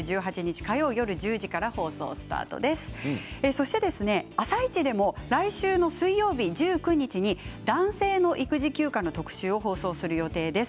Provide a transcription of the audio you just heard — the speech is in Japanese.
そして「あさイチ」でも来週の水曜日１９日に男性の育児休暇の特集を放送する予定です。